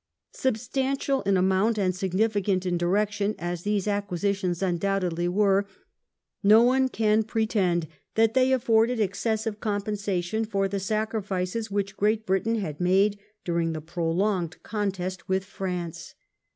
Substantial in amount and significant in direction as these ac quisitions undoubtedly were, no one can pretend that they afforded excessive compensation for the sacrifices which Great Britain had made during the prolonged contest with France.